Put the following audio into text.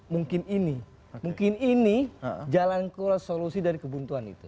mungkin ini mungkin ini jalan keluar solusi dari kebuntuan itu